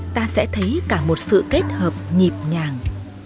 ta sẽ thấy cả một sự kết hợp nhịp nhàng